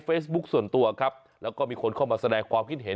เฟซบุ๊คส่วนตัวครับแล้วก็มีคนเข้ามาแสดงความคิดเห็น